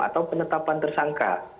atau penetapan tersangka